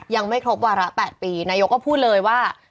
ยังไม่ครบวาระ๘ปีนายกก็พูดเลยว่า